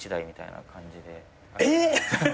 えっ！？